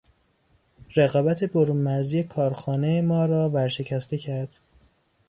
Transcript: رقابت برونمرزی کارخانه ما را ورشکسته کرد.